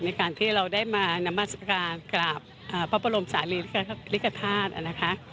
ในการที่เราได้มานามัสกากราบพระพระรมศาลีริกภาษณ์